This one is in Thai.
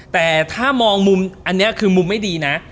แต่ถ้ามองมุมอันนี้คือมุมไม่ดีนะ